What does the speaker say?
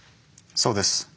そうです。